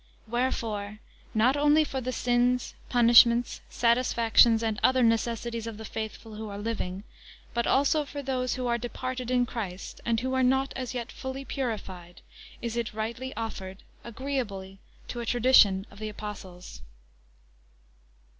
Wherefore, not only for the sins, punishments, satisfactions, and other necessities of the faithful who are living, but also for those who are departed in Christ, and who are not as yet fully purified, is it rightly offered, agreebly to a tradition of the apostles.